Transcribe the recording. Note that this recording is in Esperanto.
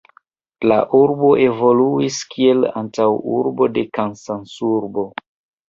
La urbo evoluis kiel antaŭurbo de Kansasurbo.